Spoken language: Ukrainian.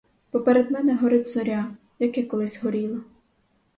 Поперед мене горить зоря, як і колись горіла.